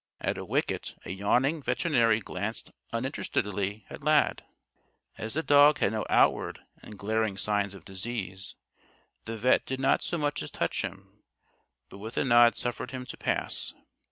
At a wicket a yawning veterinary glanced uninterestedly at Lad. As the dog had no outward and glaring signs of disease, the vet' did not so much as touch him, but with a nod suffered him to pass.